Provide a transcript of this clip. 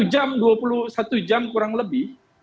dua jam dua puluh satu jam kurang lebih